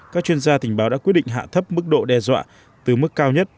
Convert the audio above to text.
các chuyên gia tình báo đã quyết định hạ thấp mức độ đe dọa từ mức cao nhất